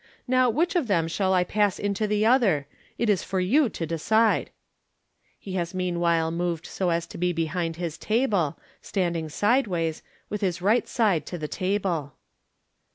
Now which of them shall I pass into the other ? It is for you to decide." He has mean while moved so as to be behind his table, standing sideways, with his right side to the table.